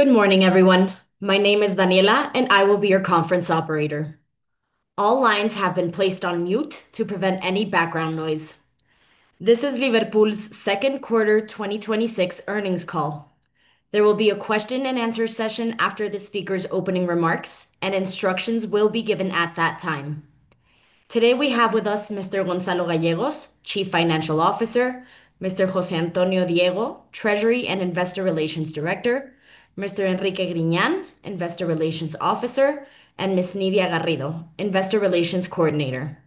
Good morning, everyone. My name is Daniela and I will be your conference operator. All lines have been placed on mute to prevent any background noise. This is Liverpool's second quarter 2026 earnings call. There will be a question and answer session after the speaker's opening remarks, and instructions will be given at that time. Today, we have with us Mr. Gonzalo Gallegos, Chief Financial Officer, Mr. José Antonio Diego, Treasury and Investor Relations Director, Mr. Enrique Griñán, Investor Relations Officer, and Ms. Nidia Garrido, Investor Relations Coordinator.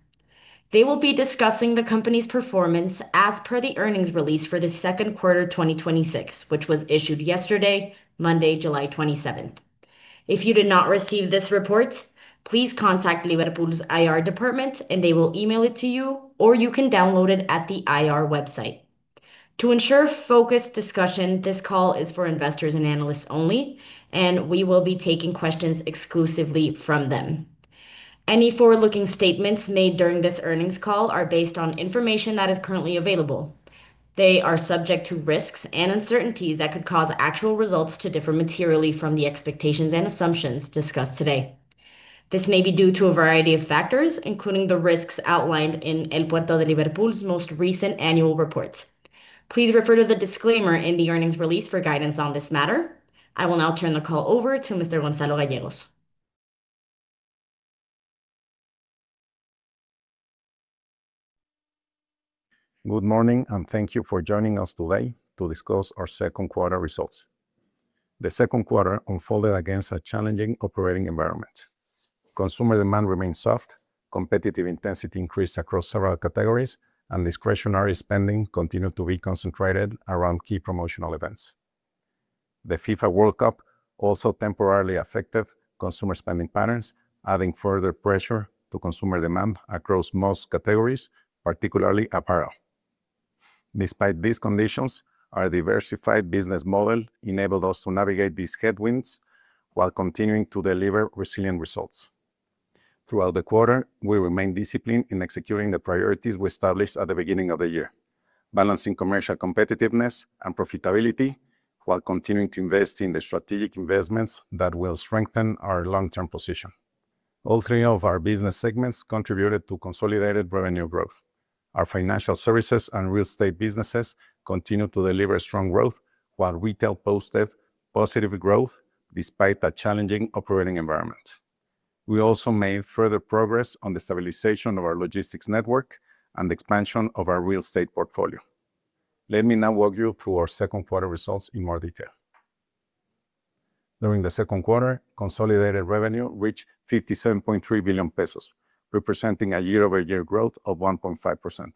They will be discussing the company's performance as per the earnings release for the second quarter 2026, which was issued yesterday, Monday, July 27th. If you did not receive this report, please contact Liverpool's IR department and they will email it to you, or you can download it at the IR website. To ensure focused discussion, this call is for investors and analysts only. We will be taking questions exclusively from them. Any forward-looking statements made during this earnings call are based on information that is currently available. They are subject to risks and uncertainties that could cause actual results to differ materially from the expectations and assumptions discussed today. This may be due to a variety of factors, including the risks outlined in El Puerto de Liverpool's most recent annual reports. Please refer to the disclaimer in the earnings release for guidance on this matter. I will now turn the call over to Mr. Gonzalo Gallegos. Good morning. Thank you for joining us today to discuss our second quarter results. The second quarter unfolded against a challenging operating environment. Consumer demand remained soft, competitive intensity increased across several categories, and discretionary spending continued to be concentrated around key promotional events. The FIFA World Cup also temporarily affected consumer spending patterns, adding further pressure to consumer demand across most categories, particularly apparel. Despite these conditions, our diversified business model enabled us to navigate these headwinds while continuing to deliver resilient results. Throughout the quarter, we remained disciplined in executing the priorities we established at the beginning of the year, balancing commercial competitiveness and profitability while continuing to invest in the strategic investments that will strengthen our long-term position. All three of our business segments contributed to consolidated revenue growth. Our Financial Services and Real Estate businesses continued to deliver strong growth. Retail posted positive growth despite a challenging operating environment. We also made further progress on the stabilization of our logistics network and the expansion of our Real Estate portfolio. Let me now walk you through our second quarter results in more detail. During the second quarter, consolidated revenue reached 57.3 billion pesos, representing a year-over-year growth of 1.5%.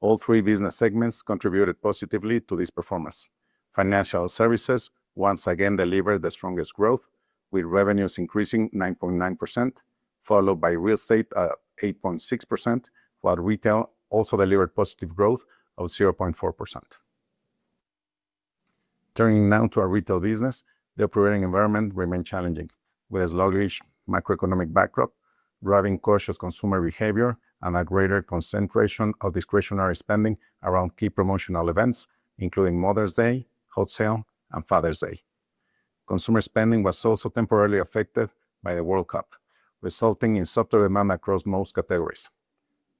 All three business segments contributed positively to this performance. Financial Services once again delivered the strongest growth, with revenues increasing 9.9%, followed by Real Estate at 8.6%. Retail also delivered positive growth of 0.4%. Turning now to our retail business, the operating environment remained challenging, with a sluggish macroeconomic backdrop, driving cautious consumer behavior and a greater concentration of discretionary spending around key promotional events, including Mother's Day, Hot Sale, and Father's Day. Consumer spending was also temporarily affected by the World Cup, resulting in softer demand across most categories.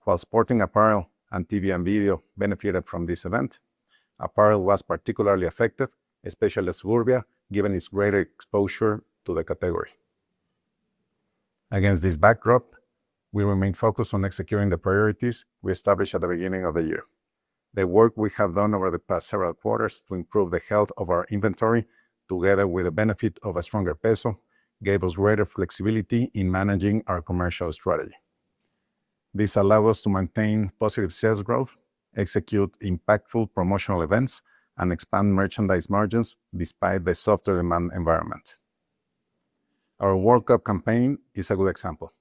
While sporting apparel and TV and video benefited from this event, apparel was particularly affected, especially Suburbia, given its greater exposure to the category. Against this backdrop, we remain focused on executing the priorities we established at the beginning of the year. The work we have done over the past several quarters to improve the health of our inventory, together with the benefit of a stronger peso, gave us greater flexibility in managing our commercial strategy. This allowed us to maintain positive sales growth, execute impactful promotional events, and expand merchandise margins despite the softer demand environment. Our World Cup campaign is a good example.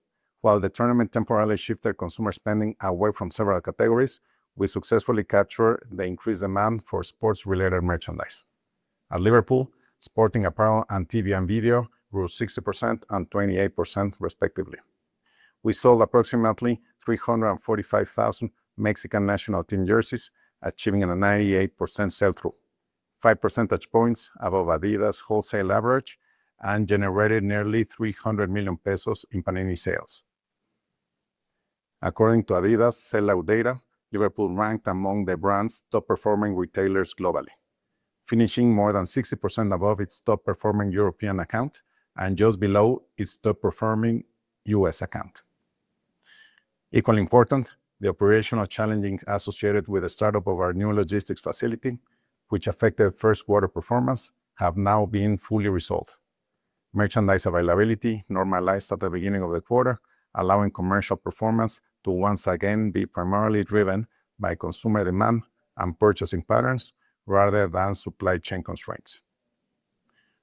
While the tournament temporarily shifted consumer spending away from several categories, we successfully captured the increased demand for sports-related merchandise. At Liverpool, sporting apparel and TV and video grew 60% and 28%, respectively. We sold approximately 345,000 Mexican national team jerseys, achieving a 98% sell-through, 5 percentage points above Adidas' wholesale average, and generated nearly 300 million pesos in Panini sales. According to Adidas sell-out data, Liverpool ranked among the brand's top-performing retailers globally, finishing more than 60% above its top-performing European account and just below its top-performing U.S. account. Equally important, the operational challenges associated with the startup of our new logistics facility, which affected first quarter performance, have now been fully resolved. Merchandise availability normalized at the beginning of the quarter, allowing commercial performance to once again be primarily driven by consumer demand and purchasing patterns rather than supply chain constraints.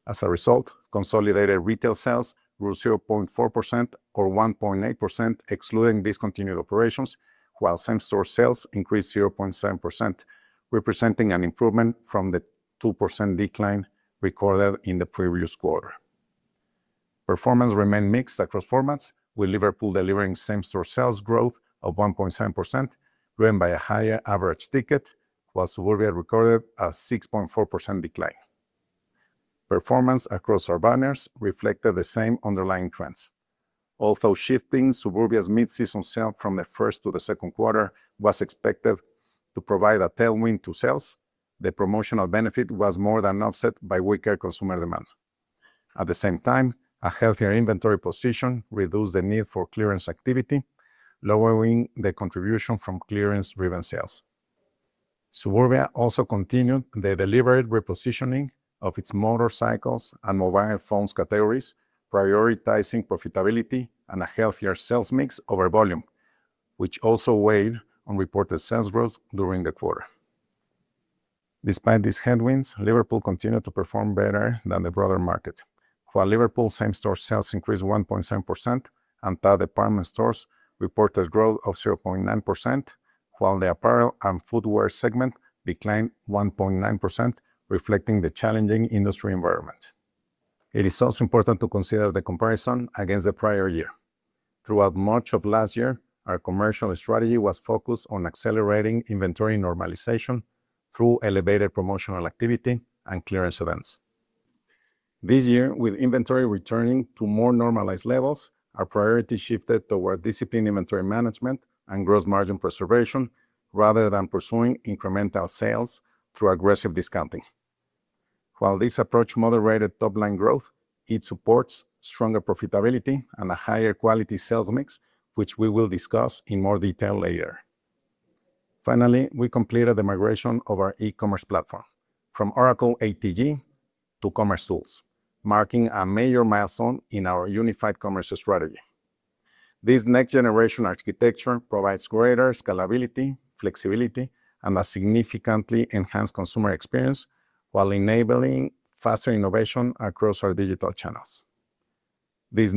As a result, consolidated retail sales grew 0.4%, or 1.8% excluding discontinued operations, while same-store sales increased 0.7%, representing an improvement from the 2% decline recorded in the previous quarter. Performance remained mixed across formats, with Liverpool delivering same-store sales growth of 1.7%, driven by a higher average ticket, while Suburbia recorded a 6.4% decline. Performance across our banners reflected the same underlying trends. Although shifting Suburbia's mid-season sale from the first to the second quarter was expected to provide a tailwind to sales, the promotional benefit was more than offset by weaker consumer demand. At the same time, a healthier inventory position reduced the need for clearance activity, lowering the contribution from clearance-driven sales. Suburbia also continued the deliberate repositioning of its motorcycles and mobile phones categories, prioritizing profitability and a healthier sales mix over volume, which also weighed on reported sales growth during the quarter. Despite these headwinds, Liverpool continued to perform better than the broader market. While Liverpool same-store sales increased 1.7%, and top department stores reported growth of 0.9%, while the apparel and footwear segment declined 1.9%, reflecting the challenging industry environment. It is also important to consider the comparison against the prior year. Throughout much of last year, our commercial strategy was focused on accelerating inventory normalization through elevated promotional activity and clearance events. This year, with inventory returning to more normalized levels, our priority shifted toward disciplined inventory management and gross margin preservation, rather than pursuing incremental sales through aggressive discounting. While this approach moderated top-line growth, it supports stronger profitability and a higher quality sales mix, which we will discuss in more detail later. Finally, we completed the migration of our e-commerce platform from Oracle ATG to commercetools, marking a major milestone in our unified commerce strategy. This next-generation architecture provides greater scalability, flexibility, and a significantly enhanced consumer experience while enabling faster innovation across our digital channels. The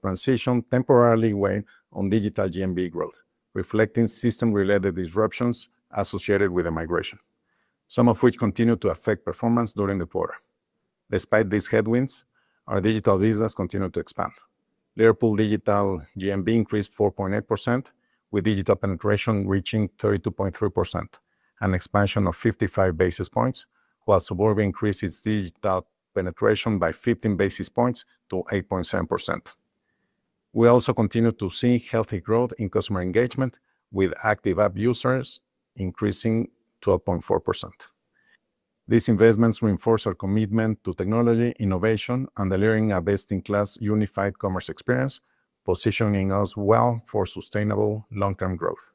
transition temporarily weighed on digital GMV growth, reflecting system-related disruptions associated with the migration, some of which continued to affect performance during the quarter. Despite these headwinds, our digital business continued to expand. Liverpool digital GMV increased 4.8%, with digital penetration reaching 32.3%, an expansion of 55 basis points, while Suburbia increased its digital penetration by 15 basis points to 8.7%. We also continue to see healthy growth in customer engagement, with active app users increasing 12.4%. These investments reinforce our commitment to technology innovation and delivering a best-in-class unified commerce experience, positioning us well for sustainable long-term growth.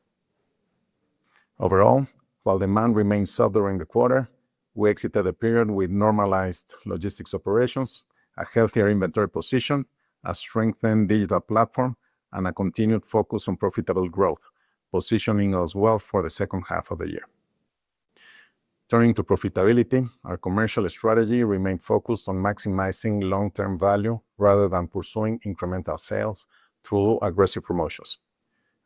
Overall, while demand remains soft during the quarter, we exited the period with normalized logistics operations, a healthier inventory position, a strengthened digital platform, and a continued focus on profitable growth, positioning us well for the second half of the year. Turning to profitability, our commercial strategy remained focused on maximizing long-term value rather than pursuing incremental sales through aggressive promotions.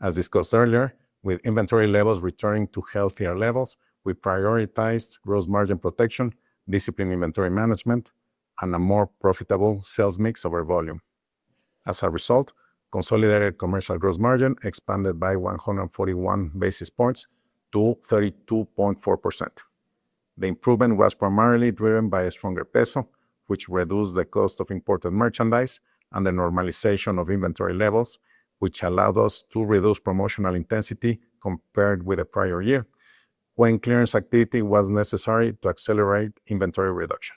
As discussed earlier, with inventory levels returning to healthier levels, we prioritized gross margin protection, disciplined inventory management, and a more profitable sales mix over volume. As a result, consolidated commercial gross margin expanded by 141 basis points to 32.4%. The improvement was primarily driven by a stronger peso, which reduced the cost of imported merchandise and the normalization of inventory levels, which allowed us to reduce promotional intensity compared with the prior year, when clearance activity was necessary to accelerate inventory reduction.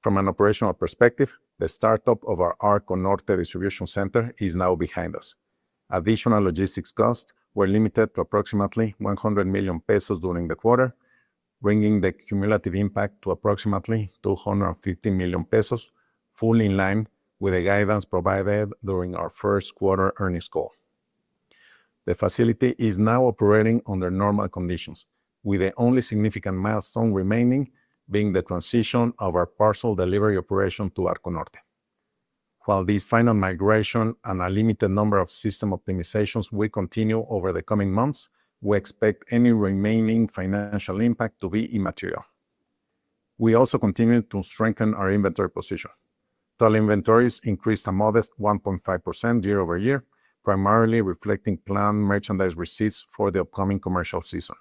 From an operational perspective, the startup of our Arco Norte distribution center is now behind us. Additional logistics costs were limited to approximately 100 million pesos during the quarter, bringing the cumulative impact to approximately 250 million pesos, fully in line with the guidance provided during our first quarter earnings call. The facility is now operating under normal conditions, with the only significant milestone remaining being the transition of our parcel delivery operation to Arco Norte. While this final migration and a limited number of system optimizations will continue over the coming months, we expect any remaining financial impact to be immaterial. We also continue to strengthen our inventory position. Total inventories increased a modest 1.5% year-over-year, primarily reflecting planned merchandise receipts for the upcoming commercial season.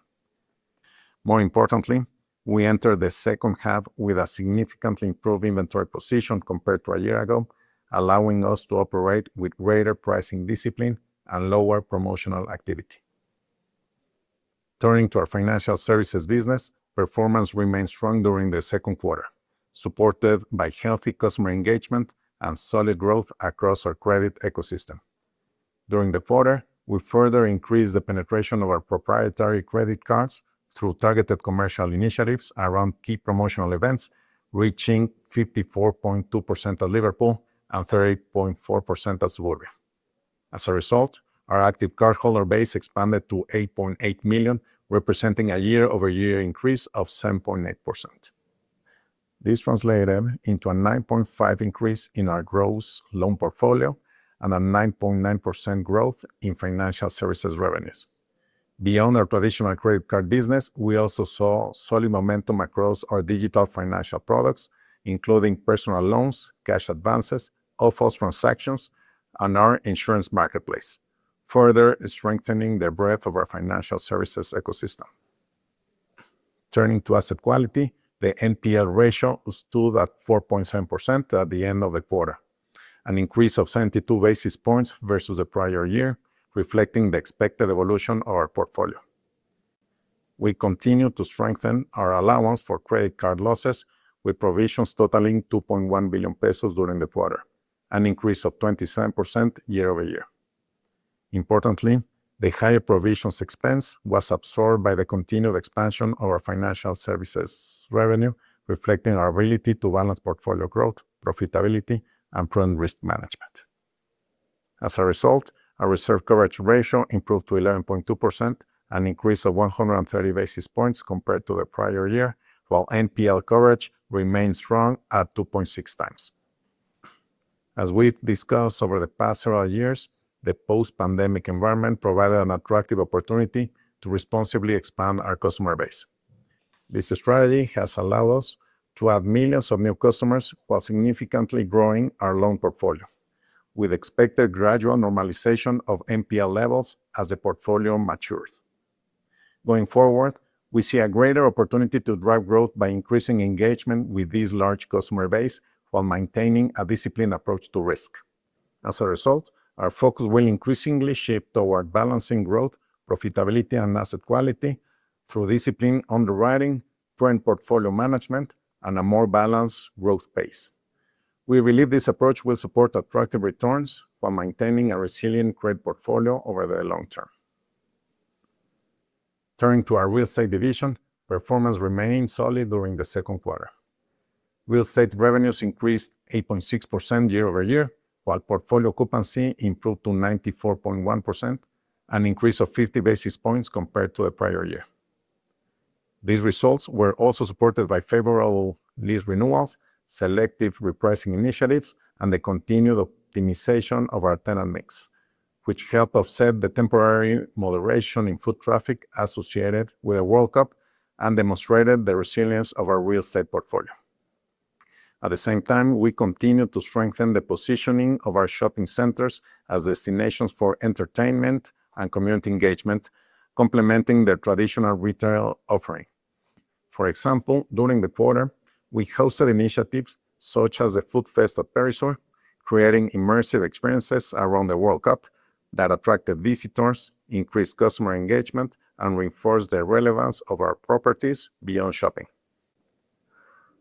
More importantly, we enter the second half with a significantly improved inventory position compared to a year ago, allowing us to operate with greater pricing discipline and lower promotional activity. Turning to our Financial Services business, performance remained strong during the second quarter, supported by healthy customer engagement and solid growth across our credit ecosystem. During the quarter, we further increased the penetration of our proprietary credit cards through targeted commercial initiatives around key promotional events, reaching 54.2% at Liverpool and 38.4% at Suburbia. As a result, our active cardholder base expanded to 8.8 million, representing a year-over-year increase of 7.8%. This translated into a 9.5% increase in our gross loan portfolio and a 9.9% growth in Financial Services revenues. Beyond our traditional credit card business, we also saw solid momentum across our digital financial products, including personal loans, cash advances, OFX transactions, and our insurance marketplace, further strengthening the breadth of our Financial Services ecosystem. Turning to asset quality, the NPL ratio stood at 4.7% at the end of the quarter, an increase of 72 basis points versus the prior year, reflecting the expected evolution of our portfolio. We continue to strengthen our allowance for credit card losses, with provisions totaling 2.1 billion pesos during the quarter, an increase of 27% year-over-year. Importantly, the higher provisions expense was absorbed by the continued expansion of our Financial Services revenue, reflecting our ability to balance portfolio growth, profitability, and prudent risk management. Our reserve coverage ratio improved to 11.2%, an increase of 130 basis points compared to the prior year, while NPL coverage remains strong at 2.6x. We've discussed over the past several years, the post-pandemic environment provided an attractive opportunity to responsibly expand our customer base. This strategy has allowed us to add millions of new customers while significantly growing our loan portfolio, with expected gradual normalization of NPL levels as the portfolio matures. We see a greater opportunity to drive growth by increasing engagement with this large customer base while maintaining a disciplined approach to risk. Our focus will increasingly shift toward balancing growth, profitability, and asset quality through disciplined underwriting, prudent portfolio management, and a more balanced growth pace. We believe this approach will support attractive returns while maintaining a resilient credit portfolio over the long term. Turning to our Real Estate division, performance remained solid during the second quarter. Real Estate revenues increased 8.6% year-over-year, while portfolio occupancy improved to 94.1%, an increase of 50 basis points compared to the prior year. These results were also supported by favorable lease renewals, selective repricing initiatives, and the continued optimization of our tenant mix, which helped offset the temporary moderation in foot traffic associated with the FIFA World Cup and demonstrated the resilience of our Real Estate portfolio. For example, during the quarter, we hosted initiatives such as the Food Fest at Perisur, creating immersive experiences around the FIFA World Cup that attracted visitors, increased customer engagement, and reinforced the relevance of our properties beyond shopping.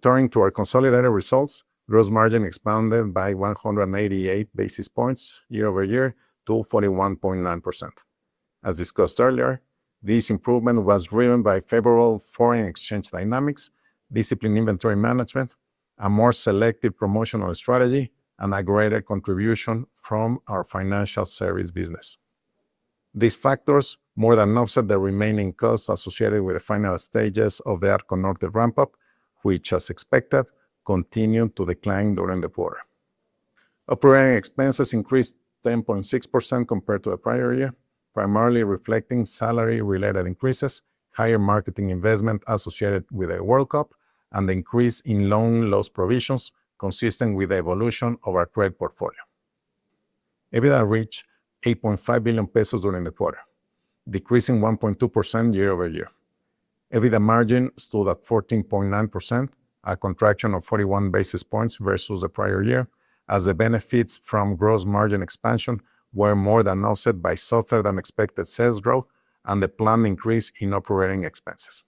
Turning to our consolidated results, gross margin expanded by 188 basis points year-over-year to 41.9%. This improvement was driven by favorable foreign exchange dynamics, disciplined inventory management, a more selective promotional strategy, and a greater contribution from our Financial Service business. These factors more than offset the remaining costs associated with the final stages of the Arco Norte ramp-up, which, as expected, continued to decline during the quarter. Operating expenses increased 10.6% compared to the prior year, primarily reflecting salary-related increases, higher marketing investment associated with the FIFA World Cup, and the increase in loan loss provisions consistent with the evolution of our credit portfolio. EBITDA reached 8.5 billion pesos during the quarter, decreasing 1.2% year-over-year. EBITDA margin stood at 14.9%, a contraction of 41 basis points versus the prior year, as the benefits from gross margin expansion were more than offset by softer-than-expected sales growth and the planned increase in operating expenses.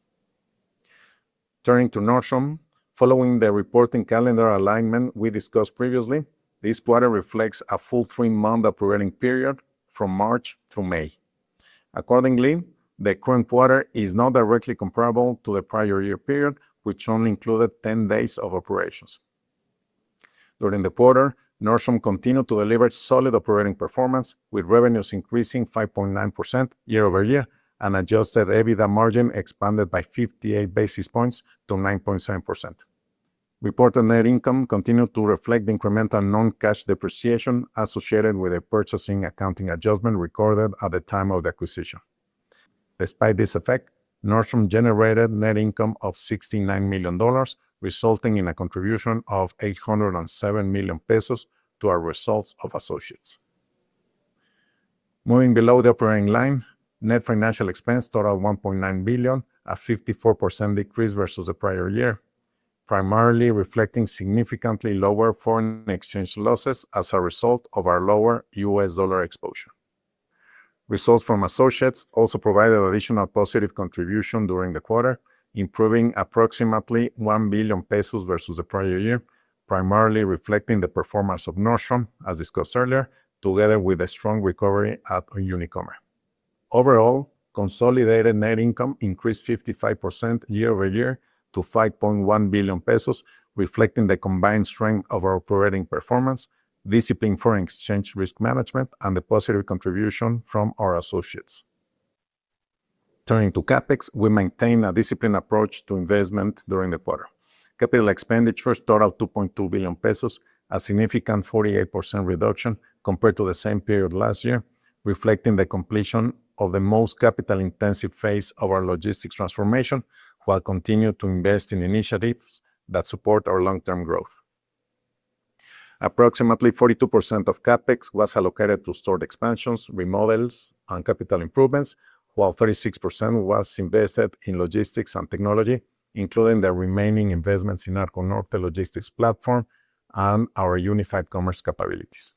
Turning to Nordstrom. Following the reporting calendar alignment we discussed previously, this quarter reflects a full three-month operating period from March through May. Accordingly, the current quarter is not directly comparable to the prior year period, which only included 10 days of operations. During the quarter, Nordstrom continued to deliver solid operating performance, with revenues increasing 5.9% year over year and djusted EBITDA margin expanded by 58 basis points to 9.9%. Reported net income continued to reflect the incremental non-cash depreciation associated with a purchasing accounting adjustment recorded at the time of the acquisition. Despite this effect, Nordstrom generated net income of $69 million, resulting in a contribution of 807 million pesos to our results of associates. Moving below the operating line, net financial expense totaled 1.9 billion, a 54% decrease versus the prior year, primarily reflecting significantly lower foreign exchange losses as a result of our lower U.S. dollar exposure. Results from associates also provided additional positive contribution during the quarter, improving approximately 1 billion pesos versus the prior year, primarily reflecting the performance of Nordstrom, as discussed earlier, together with a strong recovery at Unicomer Group. Overall, consolidated net income increased 55% year over year to 5.1 billion pesos, reflecting the combined strength of our operating performance, disciplined foreign exchange risk management, and the positive contribution from our associates. Turning to CapEx, we maintain a disciplined approach to investment during the quarter. Capital expenditures totaled 2.2 billion pesos, a significant 48% reduction compared to the same period last year, reflecting the completion of the most capital-intensive phase of our logistics transformation, while continuing to invest in initiatives that support our long-term growth. Approximately 42% of CapEx was allocated to store expansions, remodels, and capital improvements, while 36% was invested in logistics and technology, including the remaining investments in Arco Norte logistics platform and our unified commerce capabilities.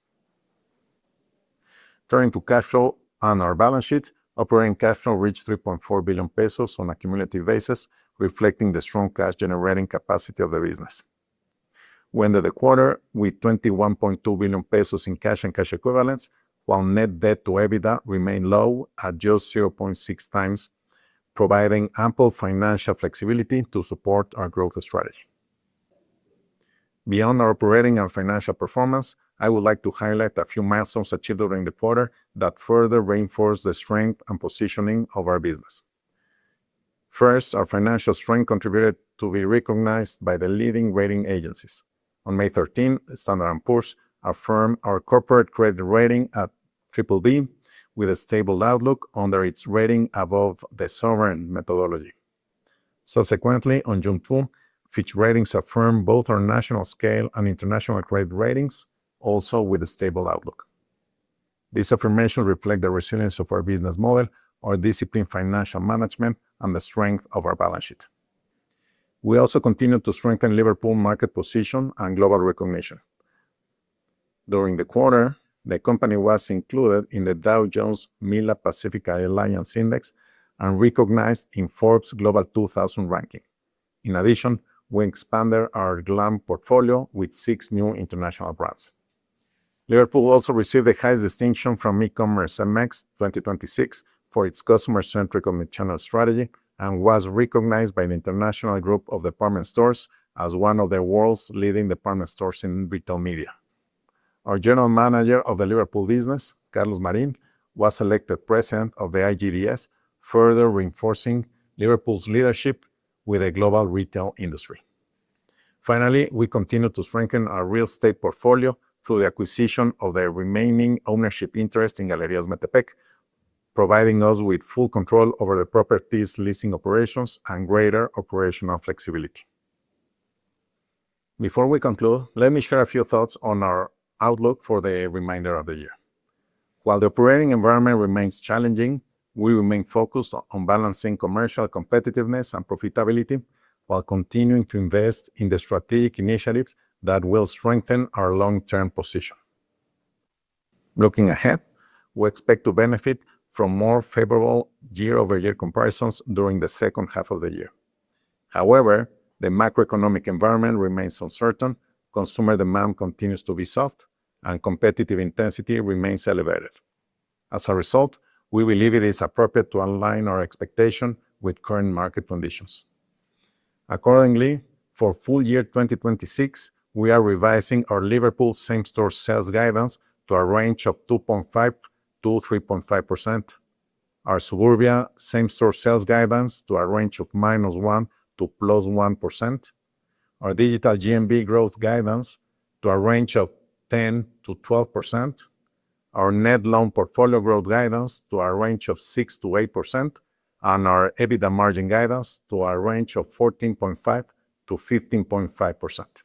Turning to cash flow and our balance sheet, operating cash flow reached 3.4 billion pesos on a cumulative basis, reflecting the strong cash generating capacity of the business. We ended the quarter with 21.2 billion pesos in cash and cash equivalents, while net debt to EBITDA remained low at just 0.6x, providing ample financial flexibility to support our growth strategy. Beyond our operating and financial performance, I would like to highlight a few milestones achieved during the quarter that further reinforce the strength and positioning of our business. First, our financial strength continued to be recognized by the leading rating agencies. On May 13, Standard & Poor's affirmed our corporate credit rating at BBB with a Stable outlook under its rating above the sovereign methodology. Subsequently, on June 2, Fitch Ratings affirmed both our national scale and international credit ratings, also with a Stable outlook. This affirmation reflects the resilience of our business model, our disciplined financial management, and the strength of our balance sheet. We also continue to strengthen Liverpool market position and global recognition. During the quarter, the company was included in the Dow Jones MILA Pacific Alliance Index and recognized in Forbes Global 2000 ranking. In addition, we expanded our GLAM portfolio with six new international brands. Liverpool also received the highest distinction from eCommerce Awards México for its customer-centric omnichannel strategy and was recognized by the International Group of Department Stores as one of the world's leading department stores in retail media. Our General Manager of the Liverpool business, Carlos Marín, was elected President of the IGDS, further reinforcing Liverpool's leadership with the global retail industry. Finally, we continue to strengthen our Real Estate portfolio through the acquisition of the remaining ownership interest in Galerías Metepec, providing us with full control over the property's leasing operations and greater operational flexibility. Let me share a few thoughts on our outlook for the remainder of the year. While the operating environment remains challenging, we remain focused on balancing commercial competitiveness and profitability while continuing to invest in the strategic initiatives that will strengthen our long-term position. Looking ahead, we expect to benefit from more favorable year-over-year comparisons during the second half of the year. However, the macroeconomic environment remains uncertain, consumer demand continues to be soft, and competitive intensity remains elevated. As a result, we believe it is appropriate to align our expectation with current market conditions. Accordingly, for full year 2026, we are revising our Liverpool same-store sales guidance to a range of 2.5%-3.5%, our Suburbia same-store sales guidance to a range of -1% to +1%, our digital GMV growth guidance to a range of 10%-12%, our net loan portfolio growth guidance to a range of 6%-8%, and our EBITDA margin guidance to a range of 14.5%-15.5%.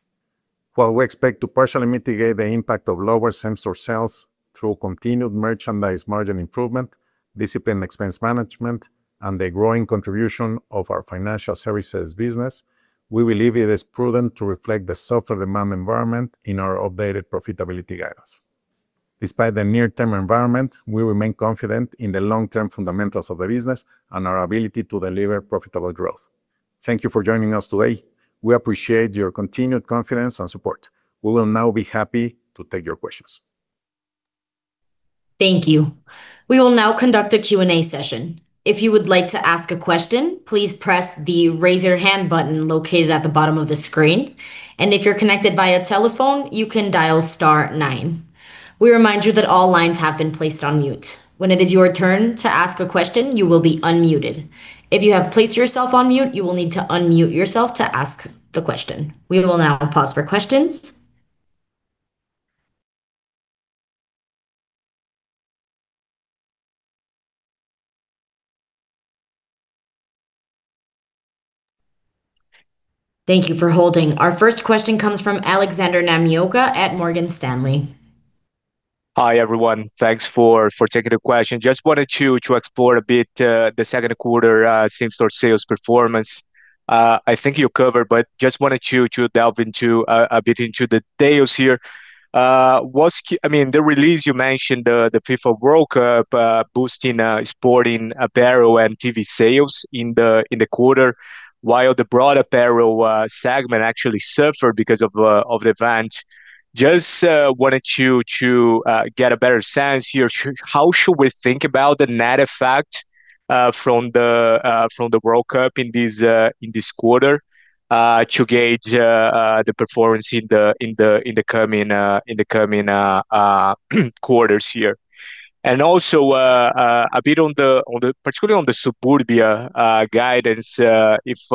While we expect to partially mitigate the impact of lower same-store sales through continued merchandise margin improvement, disciplined expense management, and the growing contribution of our Financial Services business, we believe it is prudent to reflect the softer demand environment in our updated profitability guidance. Despite the near-term environment, we remain confident in the long-term fundamentals of the business and our ability to deliver profitable growth. Thank you for joining us today. We appreciate your continued confidence and support. We will now be happy to take your questions. Thank you. We will now conduct a Q&A session. If you would like to ask a question, please press the Raise Your Hand button located at the bottom of the screen. If you're connected via telephone, you can dial star nine. We remind you that all lines have been placed on mute. When it is your turn to ask a question, you will be unmuted. If you have placed yourself on mute, you will need to unmute yourself to ask the question. We will now pause for questions. Thank you for holding. Our first question comes from Alexandre Namioka at Morgan Stanley. Hi, everyone. Thanks for taking the question. Wanted you to explore a bit the second quarter same-store sales performance. Wanted you to delve a bit into the details here. The release you mentioned, the FIFA World Cup, boosting sporting apparel and TV sales in the quarter while the broad apparel segment actually suffered because of the event. Wanted you to get a better sense here, how should we think about the net effect from the World Cup in this quarter to gauge the performance in the coming quarters here? A bit particularly on the Suburbia guidance. If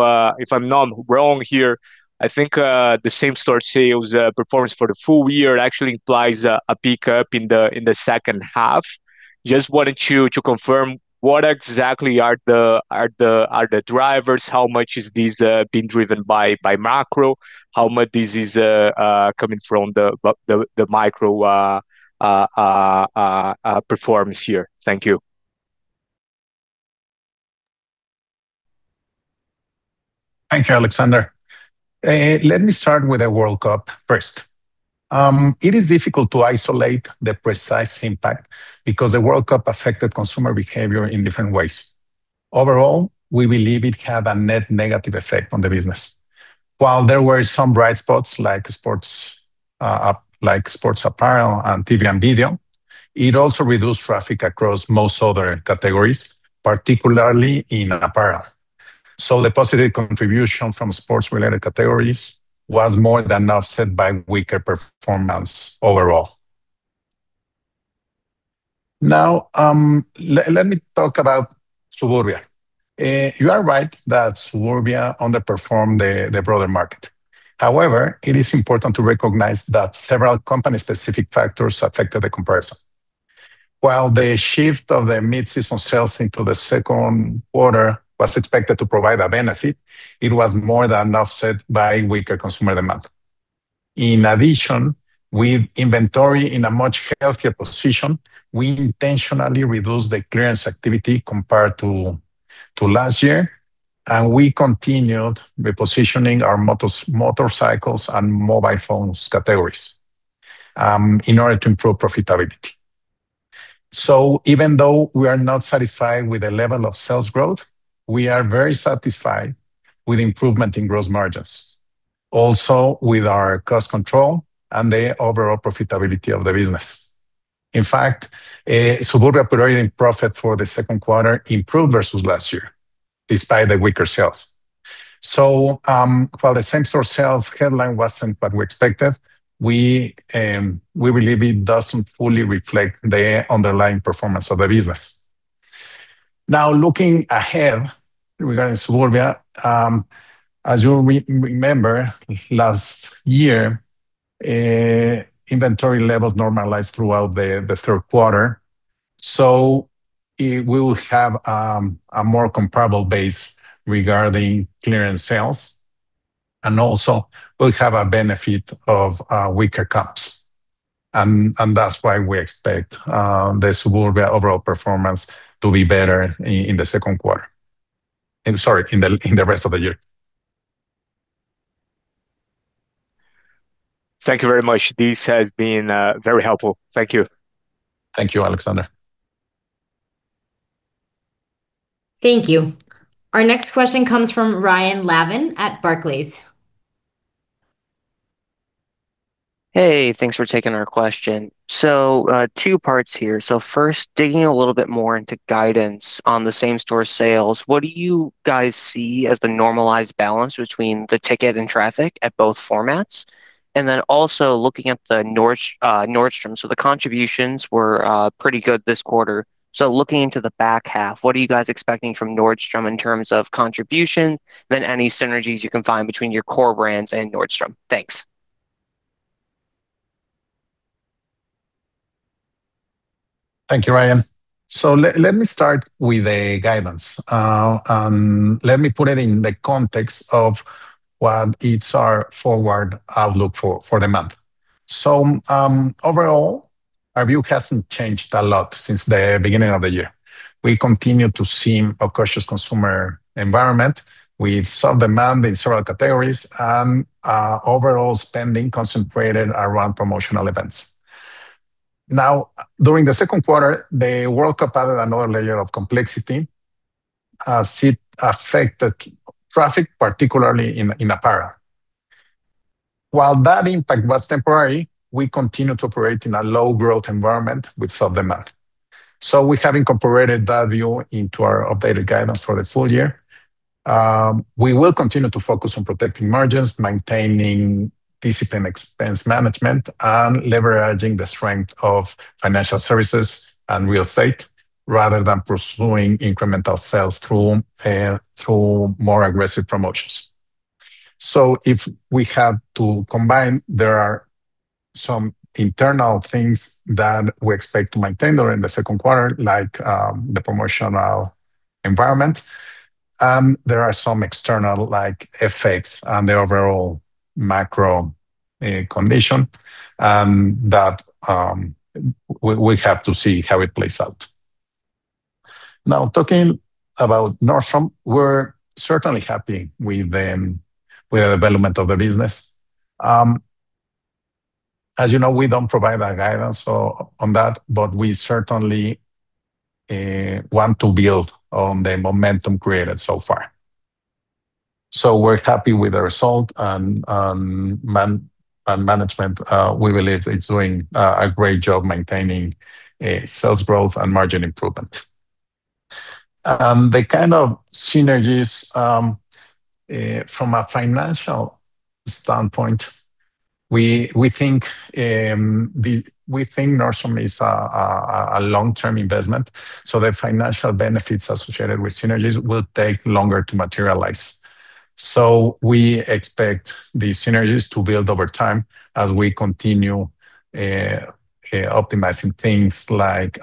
I'm not wrong here, I think the same-store sales performance for the full year actually implies a pickup in the second half. Wanted you to confirm what exactly are the drivers, how much is this being driven by macro, how much this is coming from the micro performance here. Thank you. Thank you, Alexandre. Let me start with the World Cup first. It is difficult to isolate the precise impact because the World Cup affected consumer behavior in different ways. Overall, we believe it had a net negative effect on the business. While there were some bright spots like sports apparel and TV and video, it also reduced traffic across most other categories, particularly in apparel. The positive contribution from sports-related categories was more than offset by weaker performance overall. Let me talk about Suburbia. You are right that Suburbia underperformed the broader market. However, it is important to recognize that several company-specific factors affected the comparison. While the shift of the mid-season sales into the second quarter was expected to provide a benefit, it was more than offset by weaker consumer demand. With inventory in a much healthier position, we intentionally reduced the clearance activity compared to last year, and we continued repositioning our motorcycles and mobile phones categories in order to improve profitability. Even though we are not satisfied with the level of sales growth, we are very satisfied with improvement in gross margins, also with our cost control and the overall profitability of the business. In fact, Suburbia operating profit for the second quarter improved versus last year, despite the weaker sales. While the same-store sales headline wasn't what we expected, we believe it doesn't fully reflect the underlying performance of the business. Looking ahead regarding Suburbia, as you remember, last year, inventory levels normalized throughout the third quarter. It will have a more comparable base regarding clearance sales, and also will have a benefit of weaker comps. That's why we expect the Suburbia overall performance to be better in the second quarter, and sorry, in the rest of the year. Thank you very much. This has been very helpful. Thank you. Thank you, Alexandre Thank you. Our next question comes from Ryan Lavin at Barclays. Thanks for taking our question. Two parts here. First, digging a little bit more into guidance on the same-store sales, what do you guys see as the normalized balance between the ticket and traffic at both formats? Also looking at Nordstrom. The contributions were pretty good this quarter. Looking into the back half, what are you guys expecting from Nordstrom in terms of contribution, then any synergies you can find between your core brands and Nordstrom? Thanks. Thank you, Ryan. Let me start with the guidance. Let me put it in the context of what is our forward outlook for the month. Overall, our view hasn't changed a lot since the beginning of the year. We continue to see a cautious consumer environment with slow demand in several categories, and overall spending concentrated around promotional events. During the second quarter, the World Cup added another layer of complexity as it affected traffic, particularly in apparel. While that impact was temporary, we continue to operate in a low-growth environment with slow demand. We have incorporated that view into our updated guidance for the full year. We will continue to focus on protecting margins, maintaining disciplined expense management, and leveraging the strength of Financial Services and Real Estate rather than pursuing incremental sales through more aggressive promotions. If we had to combine, there are some internal things that we expect to maintain during the second quarter, like the promotional environment. There are some external effects on the overall macro condition, that we have to see how it plays out. Talking about Nordstrom, we're certainly happy with the development of the business. As you know, we don't provide that guidance on that, but we certainly want to build on the momentum created so far. We're happy with the result, and management, we believe it's doing a great job maintaining sales growth and margin improvement. The kind of synergies from a financial standpoint, we think Nordstrom is a long-term investment, so the financial benefits associated with synergies will take longer to materialize. We expect these synergies to build over time as we continue optimizing things like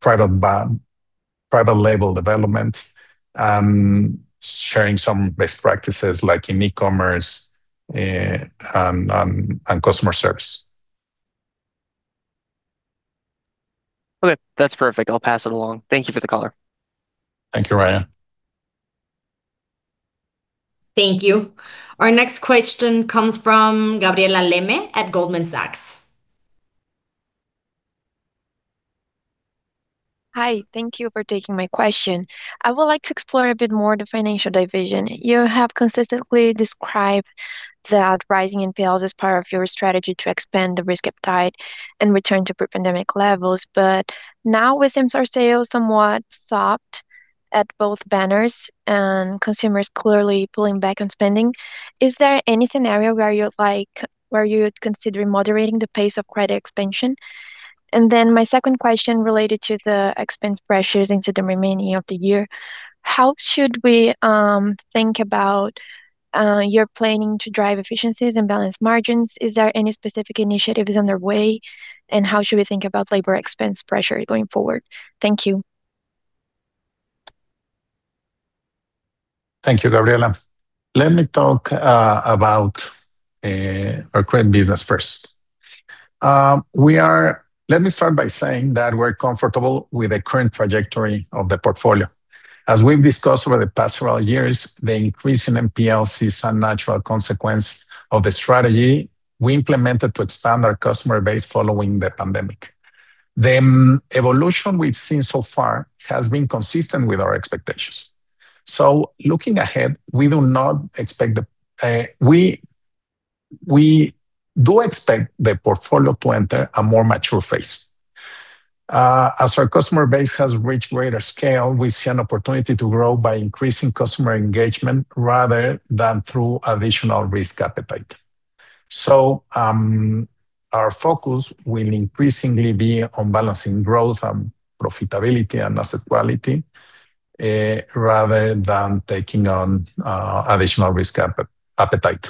private label development, sharing some best practices, like in e-commerce and customer service. Okay. That's perfect. I'll pass it along. Thank you for the color. Thank you, Ryan. Thank you. Our next question comes from Gabriela Leme at Goldman Sachs. Hi. Thank you for taking my question. I would like to explore a bit more the financial division. You have consistently described the rising NPLs as part of your strategy to expand the risk appetite and return to pre-pandemic levels. Now, with same-store sales somewhat soft at both banners and consumers clearly pulling back on spending, is there any scenario where you're considering moderating the pace of credit expansion? Then my second question related to the expense pressures into the remaining of the year, how should we think about your planning to drive efficiencies and balance margins? Is there any specific initiatives on their way, and how should we think about labor expense pressure going forward? Thank you. Thank you, Gabriela. Let me talk about our credit business first. Let me start by saying that we're comfortable with the current trajectory of the portfolio. As we've discussed over the past several years, the increase in NPLs is a natural consequence of the strategy we implemented to expand our customer base following the pandemic. The evolution we've seen so far has been consistent with our expectations. Looking ahead, we do expect the portfolio to enter a more mature phase. As our customer base has reached greater scale, we see an opportunity to grow by increasing customer engagement rather than through additional risk appetite. Our focus will increasingly be on balancing growth and profitability and asset quality, rather than taking on additional risk appetite.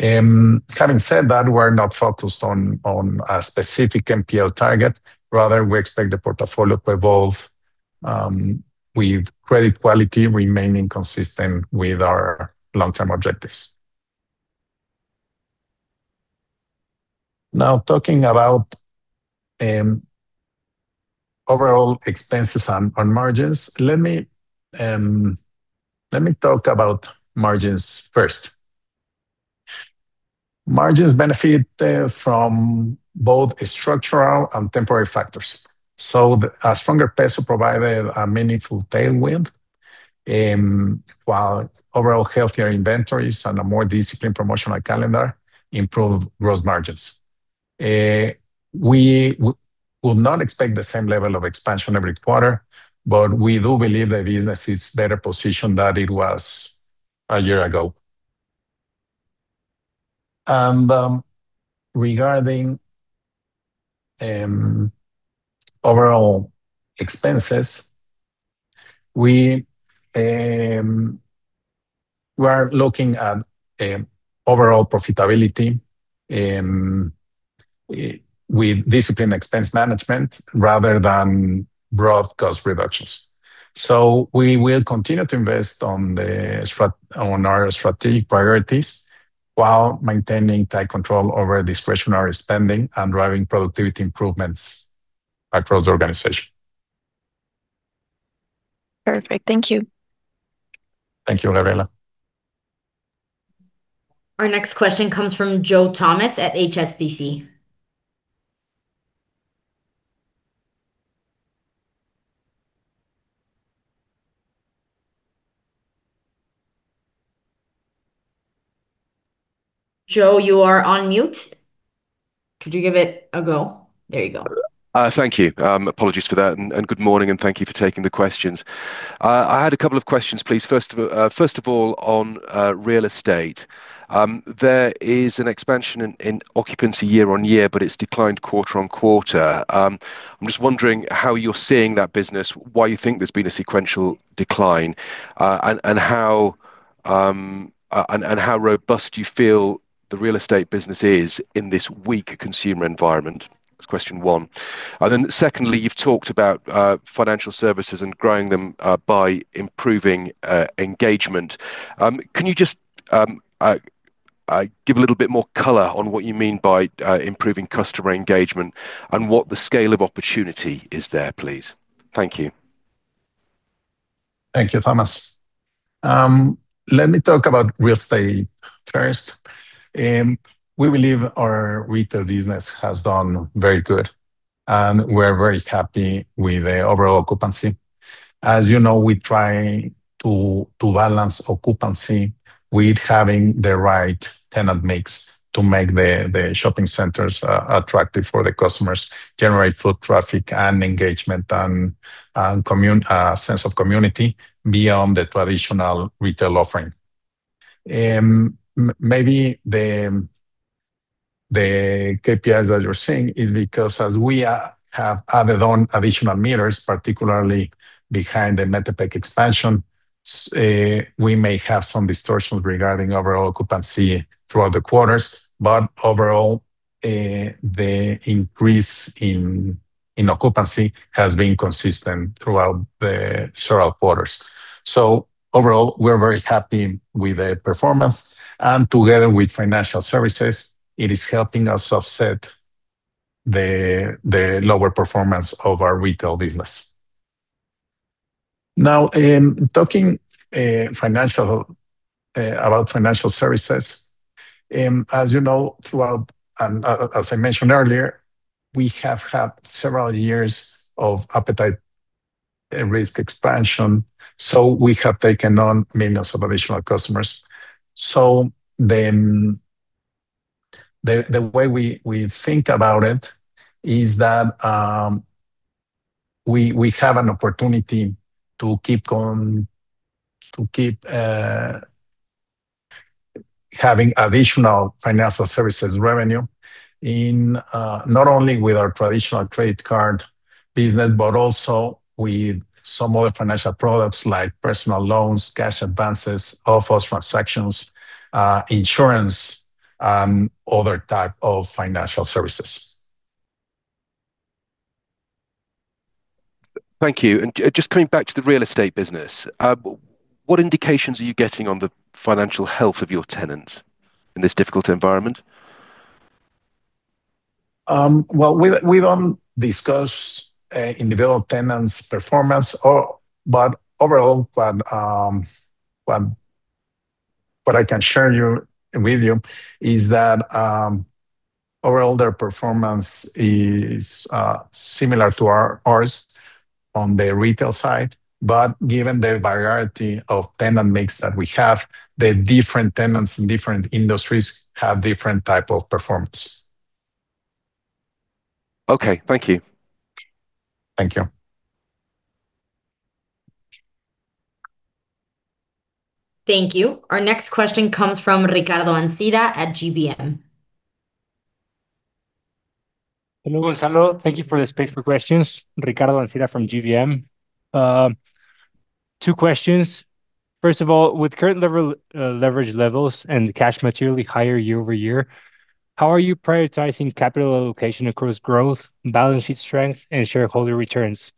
Having said that, we're not focused on a specific NPL target. Rather, we expect the portfolio to evolve with credit quality remaining consistent with our long-term objectives. Now, talking about overall expenses on margins. Let me talk about margins first. Margins benefit from both structural and temporary factors. A stronger peso provided a meaningful tailwind, while overall healthier inventories and a more disciplined promotional calendar improved gross margins. We will not expect the same level of expansion every quarter, but we do believe the business is better positioned than it was a year ago. Regarding overall expenses, we are looking at overall profitability with disciplined expense management rather than broad cost reductions. We will continue to invest on our strategic priorities while maintaining tight control over discretionary spending and driving productivity improvements across the organization. Perfect. Thank you. Thank you, Gabriela. Our next question comes from Joe Thomas at HSBC. Joe, you are on mute. Could you give it a go? There you go. Thank you. Apologies for that, good morning, thank you for taking the questions. I had a couple of questions, please. First of all, on Real Estate. There is an expansion in occupancy year-over-year, but it's declined quarter-over-quarter. I'm just wondering how you're seeing that business, why you think there's been a sequential decline, and how robust you feel the Real Estate business is in this weak consumer environment? That's question one. Secondly, you've talked about Financial Services and growing them by improving engagement. Can you just give a little bit more color on what you mean by improving customer engagement and what the scale of opportunity is there, please. Thank you. Thank you, Thomas. Let me talk about Real Estate first. We believe our retail business has done very good, we're very happy with the overall occupancy. As you know, we try to balance occupancy with having the right tenant mix to make the shopping centers attractive for the customers, generate foot traffic and engagement and sense of community beyond the traditional retail offering. Maybe the KPIs that you're seeing is because as we have added on additional meters, particularly behind the Metepec expansion, we may have some distortions regarding overall occupancy throughout the quarters. Overall, the increase in occupancy has been consistent throughout the several quarters. Overall, we're very happy with the performance, and together with Financial Services, it is helping us offset the lower performance of our retail business. Talking about Financial Services, as you know, throughout, as I mentioned earlier, we have had several years of appetite risk expansion, we have taken on millions of additional customers. The way we think about it is that we have an opportunity to keep having additional Financial Services revenue not only with our traditional trade card business, but also with some other financial products like personal loans, cash advances, offers from sections, insurance, other type of Financial Services. Thank you. Just coming back to the Real Estate business, what indications are you getting on the financial health of your tenants in this difficult environment? Well, we don't discuss individual tenants' performance, but overall, what I can share with you is that overall their performance is similar to ours on the retail side, but given the variety of tenant mix that we have, the different tenants in different industries have different type of performance. Okay. Thank you. Thank you. Thank you. Our next question comes from Ricardo Ancira at GBM. Hello, Gonzalo. Thank you for the space for questions. Ricardo Ancira from GBM. Two questions. First of all, with current leverage levels and cash materially higher year-over-year, how are you prioritizing capital allocation across growth, balance sheet strength, and shareholder returns?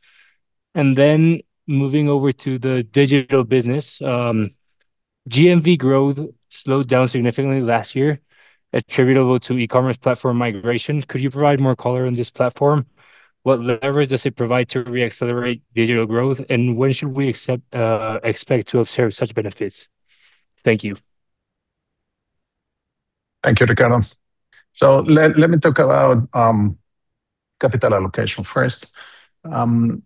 Moving over to the digital business, GMV growth slowed down significantly last year attributable to e-commerce platform migration. Could you provide more color on this platform? What leverage does it provide to re-accelerate digital growth, and when should we expect to observe such benefits? Thank you. Thank you, Ricardo. Let me talk about capital allocation first. Our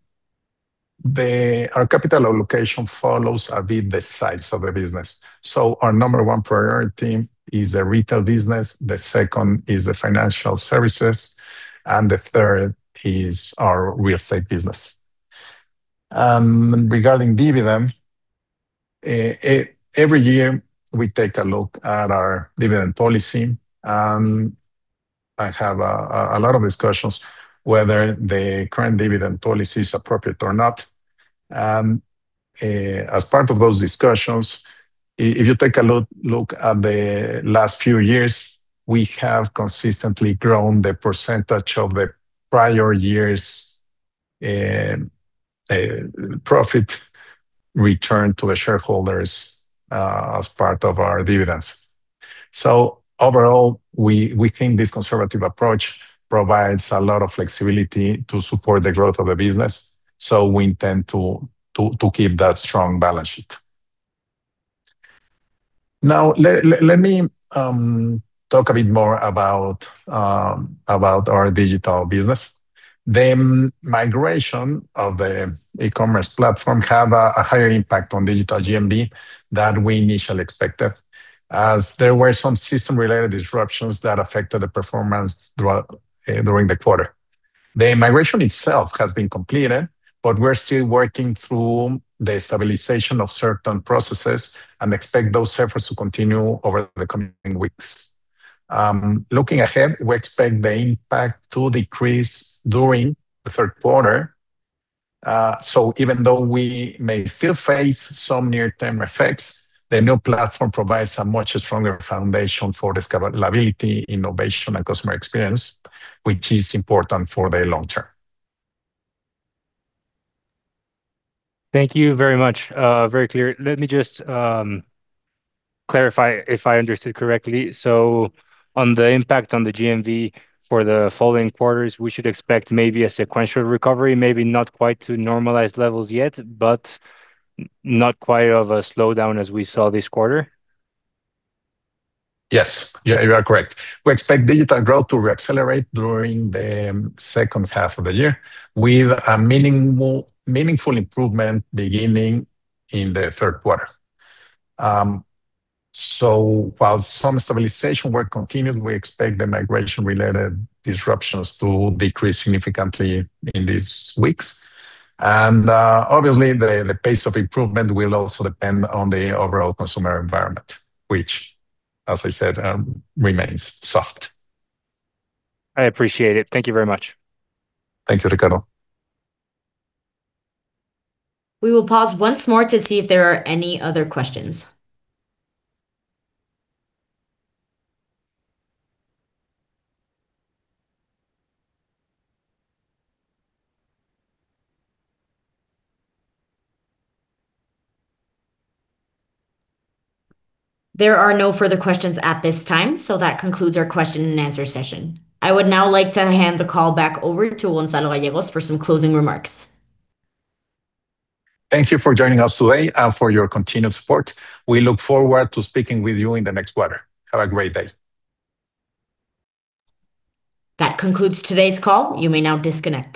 capital allocation follows a bit the size of the business. Our number one priority is the retail business, the second is the Financial Services, and the third is our Real Estate business. Regarding dividend, every year we take a look at our dividend policy, and I have a lot of discussions whether the current dividend policy is appropriate or not. As part of those discussions, if you take a look at the last few years, we have consistently grown the percentage of the prior year's profit return to the shareholders as part of our dividends. Overall, we think this conservative approach provides a lot of flexibility to support the growth of the business. We intend to keep that strong balance sheet. Now, let me talk a bit more about our digital business. The migration of the e-commerce platform have a higher impact on digital GMV than we initially expected, as there were some system-related disruptions that affected the performance during the quarter. The migration itself has been completed, but we're still working through the stabilization of certain processes and expect those efforts to continue over the coming weeks. Looking ahead, we expect the impact to decrease during the third quarter. Even though we may still face some near-term effects, the new platform provides a much stronger foundation for discoverability, innovation, and customer experience, which is important for the long term. Thank you very much. Very clear. Let me just clarify if I understood correctly. On the impact on the GMV for the following quarters, we should expect maybe a sequential recovery, maybe not quite to normalized levels yet, but not quite of a slowdown as we saw this quarter? Yes. You are correct. We expect digital growth to re-accelerate during the second half of the year, with a meaningful improvement beginning in the third quarter. While some stabilization work continues, we expect the migration-related disruptions to decrease significantly in these weeks. Obviously the pace of improvement will also depend on the overall consumer environment, which, as I said, remains soft. I appreciate it. Thank you very much. Thank you, Ricardo. We will pause once more to see if there are any other questions. There are no further questions at this time, so that concludes our question and answer session. I would now like to hand the call back over to Gonzalo Gallegos for some closing remarks. Thank you for joining us today and for your continued support. We look forward to speaking with you in the next quarter. Have a great day. That concludes today's call. You may now disconnect.